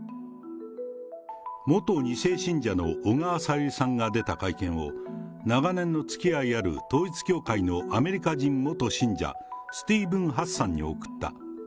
元２世信者の小川さゆりさんが出た会見を、長年のつきあいある統一教会のアメリカ人元信者、スティーブン・ハッサンに送った。